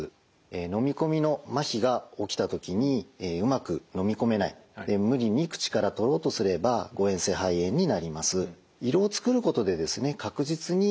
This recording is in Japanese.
飲み込みのまひが起きた時にうまく飲み込めない無理に口から取ろうとすれば誤えん性肺炎になります。